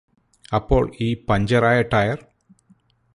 അപ്പോൾ ഈ പഞ്ചറായ ടയര്